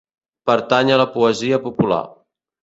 Pertany a la poesia popular.